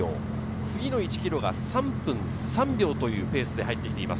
次の１ｋｍが３分３秒というペースで入ってきています。